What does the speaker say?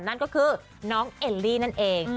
นั่นก็คือน้องเอลลี่นั่นเอง